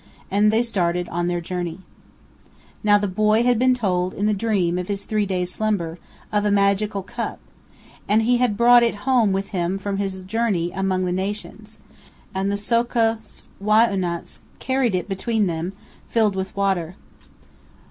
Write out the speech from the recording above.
And they started on their journey. THE RIO VIRGEN AND THE UINKARET MOUNTAINS. 307 Now the boy had been told in the dream of his three days' slumber, of a magical cup, and he had brought it home with him from his journey among the nations, and the So'kus Wai'unats carried it between them, filled with water.